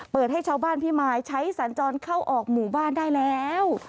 เปิดให้ชาวบ้านพิมายใช้สัญจรเข้าออกหมู่บ้านได้แล้ว